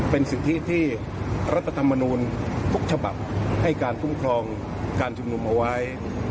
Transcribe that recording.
เป็นสิทธิที่รัฐธรรมนูลทุกฉบับให้การคุ้มครองการชุมนุมเอาไว้